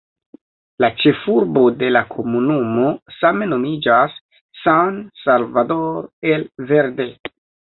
La ĉefurbo de la komunumo same nomiĝas "San Salvador el Verde".